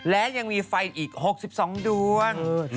และยังมีไฟอีก๖๒ดวง